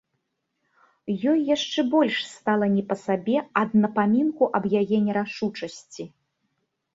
Ёй яшчэ больш стала не па сабе ад напамінку аб яе нерашучасці.